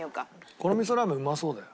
このみそラーメンうまそうだよ。